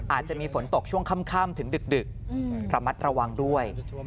อาจจะมีฝนตกช่วงค่ำถึงดึกระมัดระวังด้วย